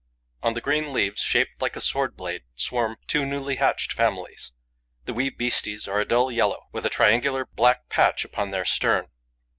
On the green leaves, shaped like a sword blade, swarm two newly hatched families. The wee beasties are a dull yellow, with a triangular black patch upon their stern.